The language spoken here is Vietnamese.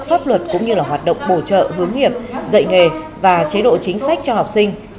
pháp luật cũng như là hoạt động bổ trợ hướng nghiệp dạy nghề và chế độ chính sách cho học sinh